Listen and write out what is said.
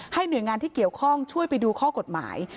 หน่วยงานที่เกี่ยวข้องช่วยไปดูข้อกฎหมาย